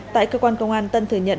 tại cơ quan công an tân thừa nhận